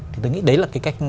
thì tôi nghĩ đấy là cái cách